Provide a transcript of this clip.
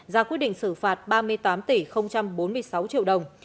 ra quyết định xử phạt ba mươi tám tỷ bốn mươi sáu triệu đồng